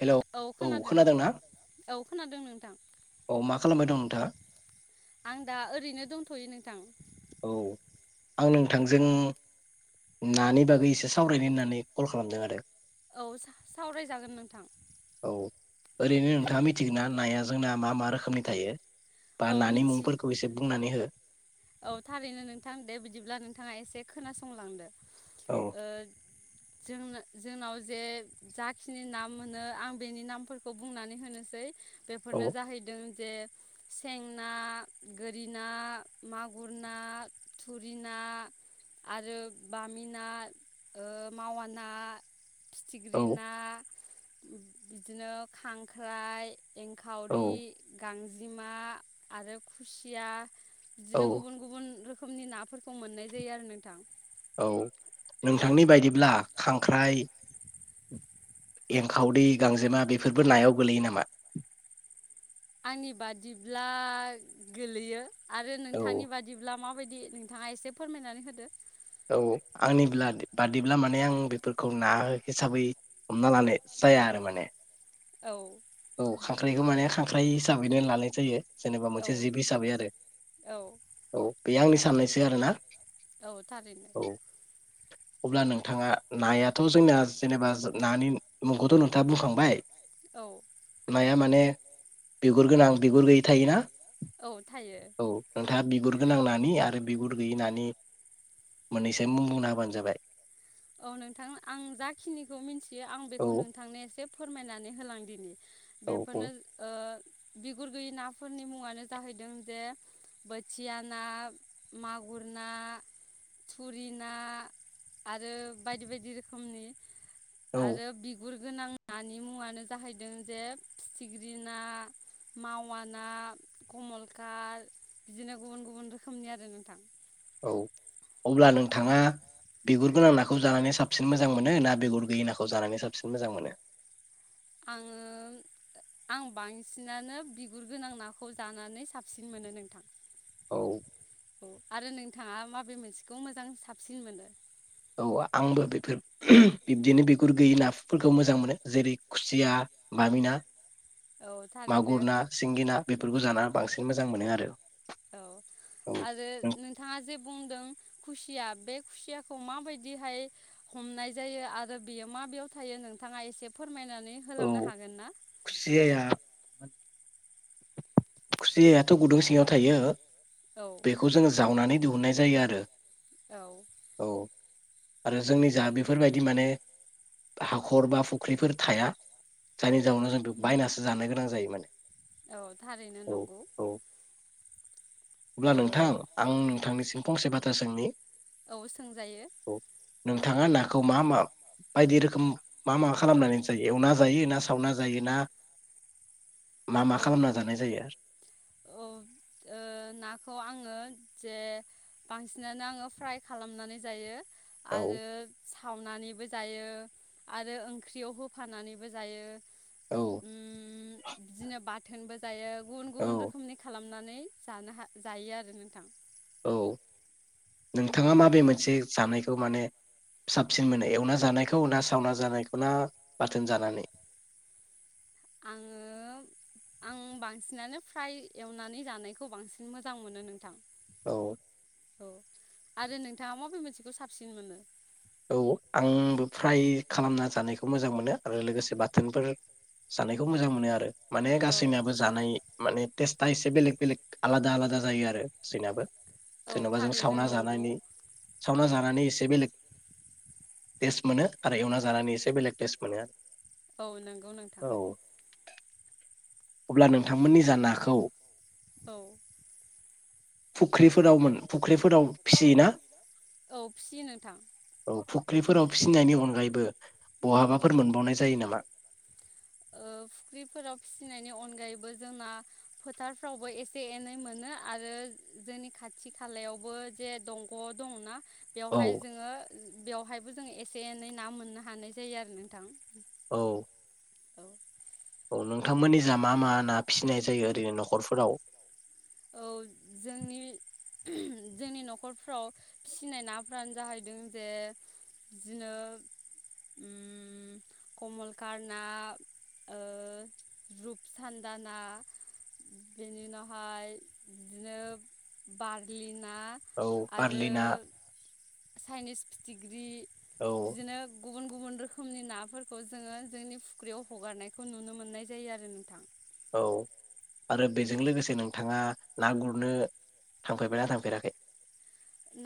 Hello औ खोनादों खोनादोंना औ खोनादों नोंथां औ मा खालामबाय दं नोंथाङा आं दा ओरैनो दंथ'यो नोंथां औ आं नोंथांजों नानि बागै एसे सावरायनो होननानै कल खालामदों आरो औ सा-सावरायजागोन नोंथां। औ ओरैनो नोंथाङा मिथिगोनना नाया ज जोंना मा मा रोखोमनि थायो? बा औ नानि मिथि मुंफोरखौ एसे बुंनानै हो। औ थारैनो नोंथां दे बिदिब्ला नोंथाङा एसे खोनासंलांदो। औ ओ जोंनो जोंनाव जे जाखिनि नाम मोनो आं बेनि नामफोरखौ बुंनानै होनोसै औ बेफोरनो जाहैदों जे सें न गोरि ना मागुर ना थुरि ना आरो बामि ना ओ मावा ना फिथिख्रि औ ना बिदिनो खांख्राइ औ एंखावरि गां गांजेमा आरो खुसिया औ बिदिनो गुबुन गुबुन रोखोम रोखोमनि नाफोरखौ मोननाय जायो आरो नोंथां। औ नोंथांनि बायदिब्ला खांख्राइ एंखावदै गांजेमा बेफोरबो नायाव गोलैयो नामा? आंनि बादिब्ला गोलैयो आरो औ नोंथांनि बादिब्ला माबायदि दि नोंथाङा एसे फोरमायनानै होदो। औ आंनि ब्लघ बादिब्ला माने आं बेफोरखौ ना हिसाबै हमना लानाय जाया आरो माने औ औ खांख्राइखौ माने खांख्राइ हिसाबैनो लानाय जायो। जेनेबा औ मोनसे जिब हिसाबै आरो औ औ। बेयो आंनि साननायसो आरोना। औ थारैनो। औ अब्ला नोंथाङा नायाथ' जोंना जेनेबा नानि मुंखौथ' नोंथाङा बुंखांबाय। औ नामा माने बिगुर गोनां बिगुर गैयि थायोना औ थायो औ नोंथाङा बिगुर गोनां नानि आरो बिगुर गैयि नानि मोननैसो मुं बुंना होबानो जाबाय। औ नोंथां आं जाखिनिखौ मिथियो आं औ बेखौ नोंथांनो एसे फोरमायनानै होलां ण् दिनि औ बुं बेफोरनो ओ बिगुर गैयि नाफोरनि मुङानो जाहैदों जे बोथिया ना मागुर ना थुरि ना आरो बायदि बायदि रोखोमनि। औ आरो बिगुर गोनां नानि मुङानो जाहैदों जे फिथिख्रि ना मावा ना कमलकार बिदिनो गुबुन गुबुन रोखोमनि आरो नोंथां। औ अब्ला नोंथाङा बिगुर गोनां नाखौ जानानै साबसिन मोजां मोनो ना बिगुर गैयि नाखौ जानानै साबसिन मोजां मोनो? आङो आं बांसिनानो बिगुर गोनां नाखौ जानानै साबसिन मोनो नोंथां औ औ आरो नोंथाङा माबे मोनसेखौ मोजां साबसिन मोनो? औ आंबो बेफोर बिब्दिनो बिगुर गैयै नाफोरखौ मोजां मोनो जेरै खुसिया बामि ना। औ थारैनो मागुर ना सिंगि ना बेफोरखौ जाना बांसिन मोजां मोनो आरो। औ औ आरो नोंथाङा जे बुंदों खुसिया बे खुसियाखौ माबायदिहाय हमनाय जायो आरो बेयो माबेयाव थायो नोंथाङा एसे फोर फोरमायनानै होलांनो औ हागोन ना? खुसियाया खुसियाथ' गुदुं सिङाव थायो। औ बेखौ जोङो जावनानै दिहुननाय जायो आरो। औ औ आरो जोंनि जा बेफोरबायदि माने हाखर बा फुख्रिफोर थाया औ जायनि जाउव जोंथु बायनास जानो गोनां जायो माने औ थारैनो औ नंगौ। औ अब्ला ओ नोंथां आं नोंथांनिसिम फंसे बाथ्रा सोंनि औ सोंजायो। औ नोंथाङा नाखौ मा मा बायदि रोखोम मा माबा खालामनानै जायो एवा जायो ना स सावना जायोना मा मा औ खालामना जानाय जायो आर ओ नाखौ आङो जे बांसिनानो आङो फ्राय खालामनानै जायो। औ आरो सावनानैबो जायो आरो ओंख्रियाव होफानानैबो जायो। औ उम बिदिनो बाथ थोनबो जायो। गुबुन गुबुन औ रोखोमनि खालाम नानै जानो हा जायो आरो नोंथां औ औ नोंथाङा माबे मोनसे जानायखौ माने साबसिन मोनो एवना जानायखौ ना सावना जानायखौ ना बाथोन जानानै? आङो आं बांसिनानो फ्राय एवनानै जानायखौ बांसिन मोजां मोनो नोंथां। औ औ आरो नोंथाङा मबे मोनसेखौ साबसिन मोनो? औ आंबो फ्राय खालामना जानायखौ मोजां मोनो आरो लोगोसे बाथोनफोर जानायखौ मोजां मोनो आरो। माने औ गासैनाबो जानाय माने टेस्टा एसे बेलेग बेलेग आलादा आलादा जायो आरो सैनाबो। औ जेन'बा जों थारैनो सावना नंगौ जानायनि सावना औ जानानै एसे बेलेग टेस्ट मोनो आरो एवना जानानै एसे बेलेग टेस्ट मोनो आरो। औ नोंगौ नोंथां। [inaudible] अब्ला नोंथांमोननिजा नाखौ औ फुख्रिफोराव मोन फुख्रिफोराव फिसियोना औ फिसियो नोंथां औ फु ख्रिफोराव फिसिनायनि अनगायैबो औ बहाबाफोर मोनबावनाय जायो नामा? ओ फुख्रिफोराव फिसिनायनि अनगायैबो जोंना फोथारफ्रावबो एसे एनै मोनो आरो जोंनि खाथि खालायावबो जे दंग' दंना औ बेवहाय जोङो उ बेवहायबो जों एसे एनै ना मोननो हानाय जायो आरो नोंथां। औ औ अ नोंथांमोननि जा मा मा ना फिसनाय जायो ओरैनो न'खरफोराव? औ जोंनि जोंनि न'खरफ्राव फिसिनाय नाफ्रानो जाहैदों जे बिदिनो उम कमलकर ना रुपसान्दा ना बेनि उनावहाय बिदिनो बार्लि ना औ ना आरो बारलि ना साइनिस फिथिख्रि औ बिदिनो गुबु गुबुन गुबुन रोखोमनि नाफोरखौ जोङो जोंनि फुख्रियाव हगारनायखौ नुनो मोननाय जायो आरो नोंथां। औ आरो बेजों लोगोसे नोंथाङा ना गुरनो थांफेरबायना थांफेराखै?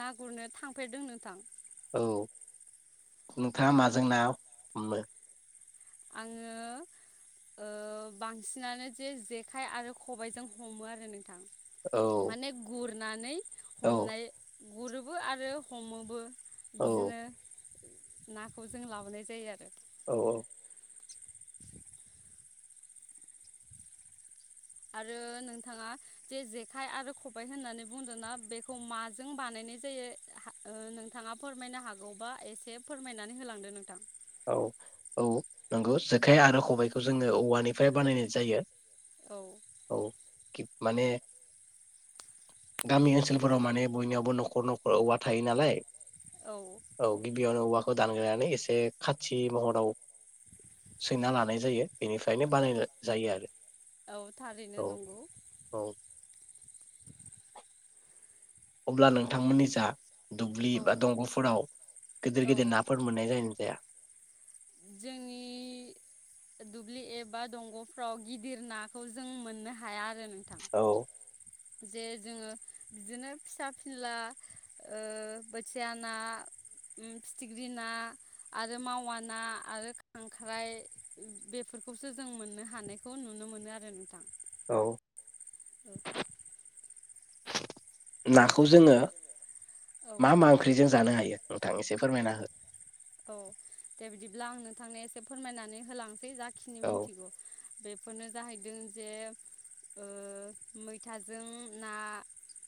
ना गुरनो थांफेरदों नोंथां। औ नोंथाङा माजों ना हमो? आङो ओ बांसिनानो जे जेखाइ आरो खबायजों हमो आरो नों थां औ माने गुर नानै औ हमनाय गुरोबो आरो हमोबो। औ बिदिनो नाखौ जों लाबोनाय जायो आरो। औ औ आरो नोंथाङा जे जेखाइ आरो खबाय होननानै बुंदों ना बेखौ माजों बानायनाय जायो ओ नोंथाङा फोरमायनो हागौबा एसे फोरमायनानै होलांदो नोंथां। औ औ नंगौ जेखाय आरो खबाइखौ जोङो औवानिफ्राय बानायनाय जायो। औ खि माने गामि ओनसोलफोराव माने बयनियावबो न'खर न'खर औवा थायो नालाय औ औ गिबियावनो औवा खौ [unintelligible] एसे खाथि महराव सैना लानाय जायो। बेनिफ्रायनो बाना जायो आरो औ थारैनो औ नंगौ औ अब्ला नोंथांमोननि जा दुब्लि औ बा दंग'फोराव गिदिर औ गिदिर नाफोर मोननाय जायो ना जाया? जोंनि दुब्लि एबा दंग'फ्राव गिदिर नाखौ जों मोननो हाया आरो न औ जे जोङो बिदिनो फिसा फिनला ओ बोथिया ना फिथिख्रि ना आरो मावा ना आरो खांख्राइ बेफोरखौसो जों मोननो हानायखौ नुनो मोनो आरो नोंथां। औ [inaudible] नाखौ जोङो औ मा मा ओंख्रिजों जानो हायो नोंथां एसे फोरमायना हो औ दे बिदिब्ला आं नोंथांनो एसे फोरमायनानै होलां सै जाखिनो औ मिथिगौ बेफोरनो जाहैदों जे ओ मैथाजों ना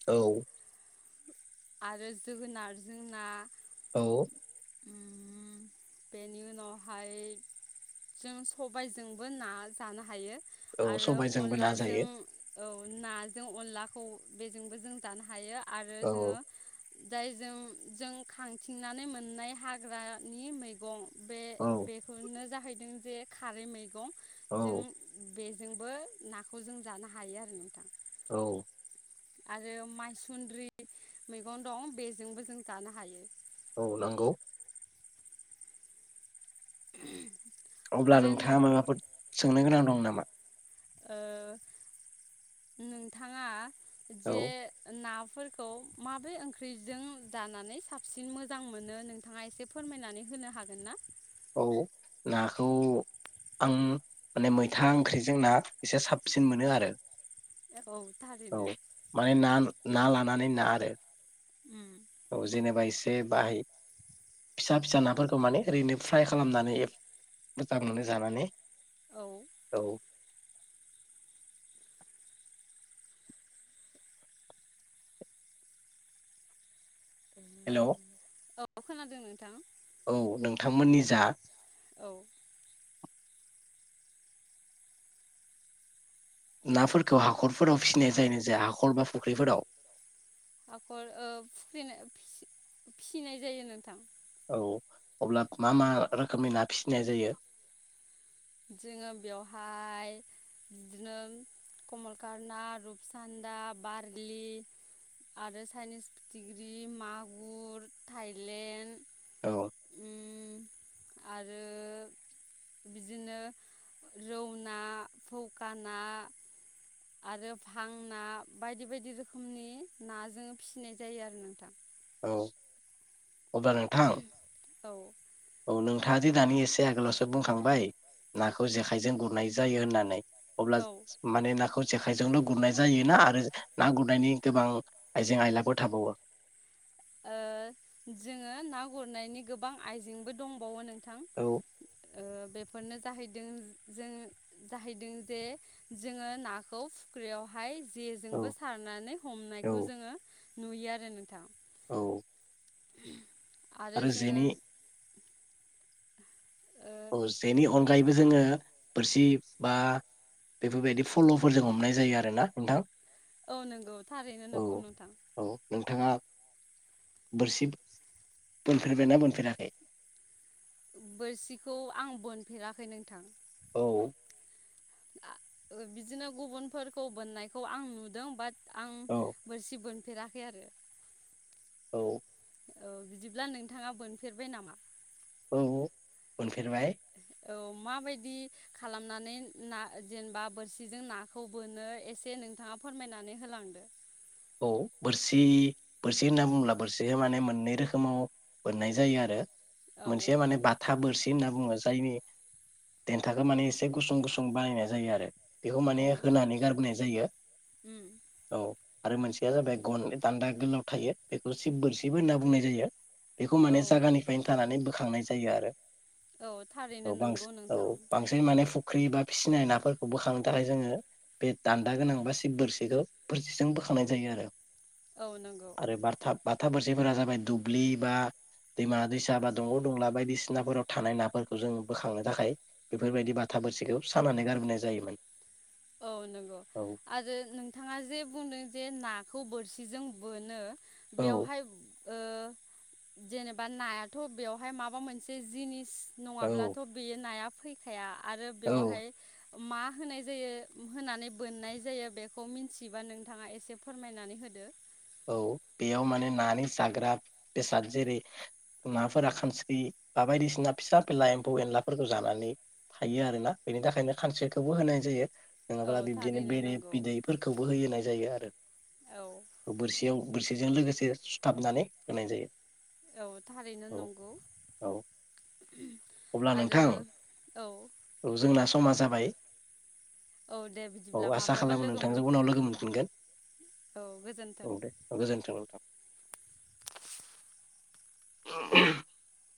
औ आरो जोगोनारजों ना औ उम बेनि उनावहाय जों सबायजोंबो ना जानो हायो। औ आरो सबायजोंबो ना अनलाजों जायो औ नाजों अनलाखौ बेजोंबो जों जानो हायो। आरो औ जोङो जायजों जों खांथिंनानै मोननाय हाग्रानि मैगं बे औ बेखौनो जाहैदों। जे खारै मैगं जों औ बे जोंबो नाखौ जों जानो हायो आरो नोंथां औ आरो माइसुन्द्रि मैगं दं बेजोंबो जों जानो हायो। औ नंगौ [unintelligible] अब्ला आरो नों नोंथाङा माबाफोर सोंनो गोनां दं नामा? ओ नोंथाङा औ जे ना फोरखौ माब्रै ओंख्रिजों जानानै साबसिन मोजां मोनो नोंथाङा एसे फोरमायनानै होनो हागोन ना? औ नाखौ आं माने मैथा ओंख्रिजों ना एसे साबसिन मोनो आरो एब औ थलिनोनो [unintelligible] माने ना ना लानानै ना आरो उम औ जेनेबा इसे बाहाय फिसा फिसा नाफोरखौ माने ओरैनो फ्राय खालामनानै एब मोजां मोनो जानानै। औ औ हेलौ औ खोनादों नोंथां। औ नोंथांमोननि जा औ नाफोरखौ हाखरफोराव फिसिनाय जायो ना जाया हाखर बा फुख्रिफोराव? आाखर ओ फुख्रि फिसिनाय जायो नोंथां [unintelligible] औ अब्लाख मा मा रोखोमनि ना फिसिनाय जायो? जोङो बेवहाय बिदिनो कमलकारना, रुपसान्दा, बारलि आरो चाइनिस फिथिग्रि, मागुर, थाइलेण्ड, औ उम आरो दिनो ओ रौ ना फौकाना आरो भां ना बायदि बायदि रोखोमनि नाजों फिसिनाय जायो आरो नोंथां औ अब्ला नोंथां औ औ नोंथाङा दि दानि एसे आगोलावसो बुंखांबाय नाखौ जेखाइजों गुरनाय जायो होननानै अब्ला औ ओ ज स माने नाखौ जेखाइजोंल' गुरनाय जायोना आरो ना गुरनायनि गोबां आइजें आयलाबो थाबावो ओ जोङो ना गुरनायनि गोबां आइजेंबो दंबावो नों थां औ ओ बेफोरनो जाहैदों जों जाहैदों जे जोङो नाखौ फुख्रियावहाय जेजोंबो औ सारनानै हमनायखौ औ जोङो नुयो आरो नोंथां। औ [unintelligible] आरो जोङो ओ औ जेनि अनगायैबो जोङो बोरसि बा बेफोरबायदि फल'फोरजों हमनाय जायो आरोना नोंथां औ नोंगौ थारैनो नोंगौ औ नोंथां औ नोंथाङा बोरसि बोनफेरबायना बोनफेराखै? बोरसिखौ आं बोनफेराखै नोंथां। औ बिदिनो गुबुनफोरखौ बोननायखौ आं नुदों बाट आं औ बोरसि बोन फेराखै आरो औ औ बिदिब्ला नोंथाङा बोनफेरबाय नामा औ बोनफेरबाय। औ माबायदि खालामनानै ना जेनेबा बोरसिजों नाखौ बोनो एसे नोंथाङा फोरमायनानै होलांदो। औ बोरसि बोरसि होनना बुङ्ला बोरसिखौ माने मोननै रोखोमाव मोननाय जायो आरो औ मोनसे माने बाथा बोरसि होनना बुङो जायनि देन्थाखौ माने एसे गुसुं गुसुं बानायनाय जायो आरो बेखौ माने औ होनानै गारबोनाय जायो उम औ आरो मोनसेया जाबाय गन दान्दा गोलाव थायो बेखौ सिब बोरसिब होनना बुंनाय जायो बेखौ औ माने जायगानिफ्रायनो थानानै ब बोखांनाय जायो आरो औ थारैनो औ नंगौ बांसिन नोंथां औ बांसिन माने फुख्रि बा फिसिनाय नाफोरखौ बोखांनो थाखाय जोङो बे दान्दा गोनां बा सिब बोरसिखौ बोरसिजों बोखां थानाय जायो आरो औ नंगौ आरो बारथाब बाथा बोरसिफोरा जाबाय दुब्लि बा दैमा दैसा बा दंग' दंला बायदिसिनाफोराव थानाय नाफोरखौ जों बोखांनो थाखाय बेफोरबायदि बाथा बोरसिखौ सानानै गारबोनाय जायोमोन औ नंगौ औ आरो नोंथाङा जे बुंदों जे नाखौ बोरसिजों बोनो औ बेवहाय ओ जेनेबा नायाथ' बेवहाय माबा मोनसे जिनिस औ नङाब्लाथ' बेयो नाया फैखाया आरो औ बेवहाय मा होनाय जायो होनानै बोननाय जायो बेखौ मिन्थिबा नोंथाङा एसे फोरमायनानै होदो औ बेयाव माने नानि जाग्रा बेसाद जेरै नाफोरा खानस्रि बा बायदिसिना फिसा फिला एम्फौ एनलाफोरखौ जानानै थायो आरोना बेनि थाखायनो खानस्रिखौबो होनाय जायो नङाब्ला औ बिब्दिनो थारैनो बेरे नंगौ बिदैफोरखौबो होनाय जायो आरो औ बोरसिजों लोगोसे सुथाबनानै होनाय जायो औ थारैनो औ नंगौ औ अब्ला आरो नोंथां औ औ जोंना समा जाबाय औ दे औ बिदिब्ला आसा माब्लाबा खालामो लोगो नोंथांजों उनाव मोनफिनगोन लोगो मोनफिनगोन औ गोज औ दे गोजोन्थों नोंथां [unintelligible]